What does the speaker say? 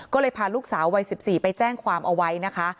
ก็เลยพาลูกสาววัย๑๔ไปแจ้งความเอาไว้นะคะ